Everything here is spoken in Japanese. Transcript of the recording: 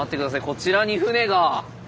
こちらに船が。